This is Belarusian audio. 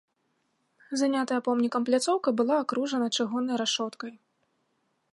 Занятая помнікам пляцоўка была акружана чыгуннай рашоткай.